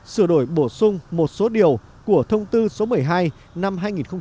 sửa đổi bổ sung một số điều của thông tư số một mươi hai năm hai nghìn một mươi